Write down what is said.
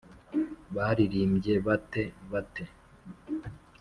baririmbye bate’ bate’